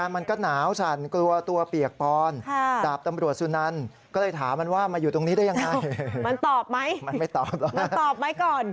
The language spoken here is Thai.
ไม่ตอบแล้วมันตอบไหมก่อน